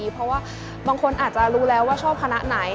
เพราะว่าบางคนอาจจะรู้แล้วว่าชอบคณะไหน